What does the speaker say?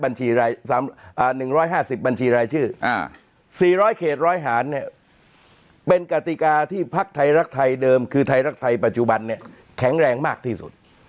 ๑๕๐บัญชีรายชื่อ๔๐๐เขตร้อยหารเนี่ยเป็นกติกาที่พักไทยรักไทยเดิมคือไทยรักไทยปัจจุบันเนี่ยแข็งแรงมากที่สุด